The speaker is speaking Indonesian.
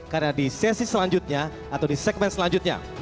karena di sesi selanjutnya atau di segmen selanjutnya